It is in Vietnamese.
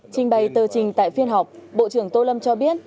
trình bày tờ trình tại phiên họp bộ trưởng tô lâm cho biết